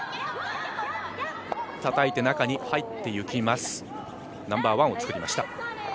たたいて中に入っていきます、ナンバーワンを作りました。